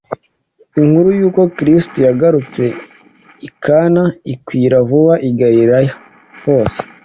Inkuru y'uko Kristo yagarutse i Kana ikwira vuba i Galilaya hose,